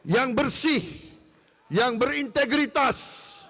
yang bersih yang berintegritas